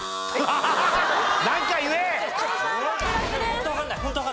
ホントわかんない。